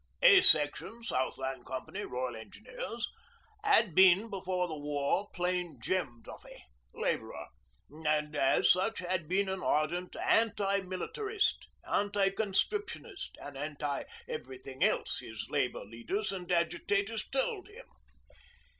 'A' Section, Southland Company, Royal Engineers, had been before the War plain Jem Duffy, labourer, and as such had been an ardent anti militarist, anti conscriptionist, and anti everything else his labour leaders and agitators told him.